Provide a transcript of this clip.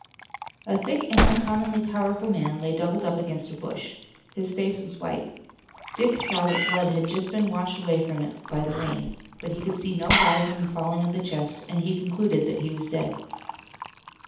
A thick and uncommonly powerful man lay doubled up against a bush. His face was white. Dick saw that blood had just been washed from it by the rain. But he could see no rising and falling of the chest, and he concluded that he was dead.